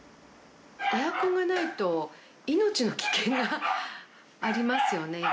エアコンがないと、命の危険がありますよね、今。